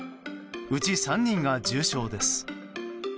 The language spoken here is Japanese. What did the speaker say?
うち３人が重症です。